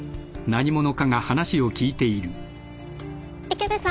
池部さん。